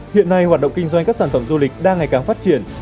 hiện nay hoạt động kinh doanh các sản phẩm du lịch đang ngày càng phát triển